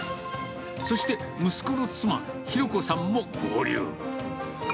そして息子の妻、裕子さんも合流。